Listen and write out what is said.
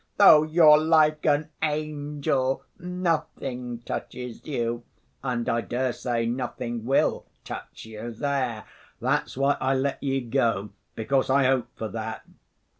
though you're like an angel, nothing touches you. And I dare say nothing will touch you there. That's why I let you go, because I hope for that.